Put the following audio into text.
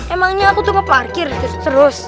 emangnya aku tuh ngeparkir terus terus